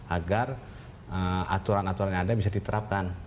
agar aturan aturan yang ada bisa diterapkan